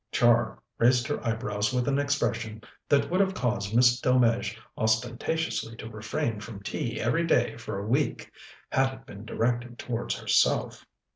Char raised her eyebrows with an expression that would have caused Miss Delmege ostentatiously to refrain from tea every day for a week, had it been directed towards herself.